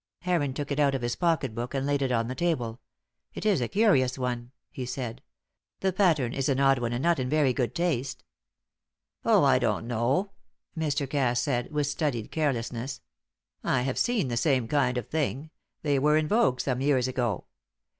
Heron took it out of his pocket book and laid it on the table. "It is a curious one," he said. "The pattern is an odd one and not in very good taste." "Oh, I don't know," Mr. Cass said, with studied carelessness. "I have seen the same kind of thing. They were in vogue some years ago.